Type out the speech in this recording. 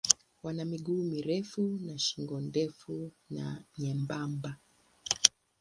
Wana miguu mirefu na shingo ndefu na nyembamba.